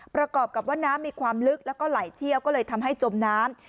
ประกอบกับว่าน้ำมีความลึกแล้วก็ไหลเชี่ยวก็เลยทำให้จมน้ำ